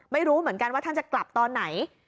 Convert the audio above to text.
ไม่รู้เหมือนกันว่าท่านจะกลับตอนไหน